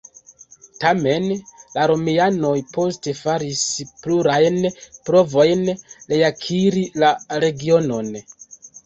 Tamen, la romianoj poste faris plurajn provojn reakiri la regionon.